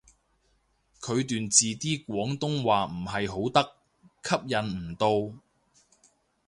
佢段字啲廣東話唔係好得，吸引唔到